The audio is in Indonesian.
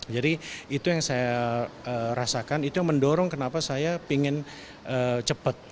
jadi itu yang saya rasakan itu yang mendorong kenapa saya ingin cepat